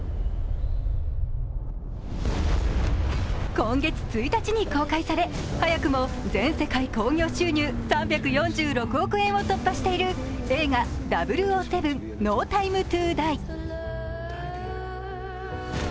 今月１日に公開され早くも全世界興行収入３４６億円を突破している映画「００７／ノー・タイム・トゥ・ダイ」。